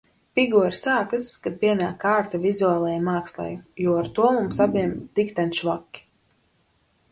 Pigori sākas, kad pienāk kārta vizuālajai mākslai, jo ar to mums abiem dikten švaki.